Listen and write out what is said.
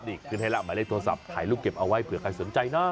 นี่ขึ้นให้ละหมายเลขโทรศัพท์ถ่ายรูปเก็บเอาไว้เผื่อใครสนใจเนาะ